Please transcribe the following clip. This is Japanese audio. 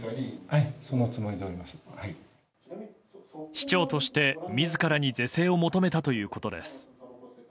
市長として自らに是正を求めたということです。